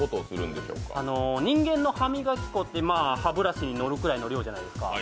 人間の歯磨き粉って歯ブラシに乗るくらいの量じゃないですか。